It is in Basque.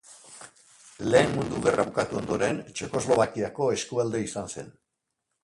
Lehen Mundu Gerra bukatu ondoren Txekoslovakiako eskualde izan zen.